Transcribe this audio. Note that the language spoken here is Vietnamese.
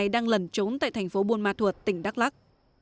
đang lần trốn tại thành phố buôn ma thuật tỉnh đắk lắc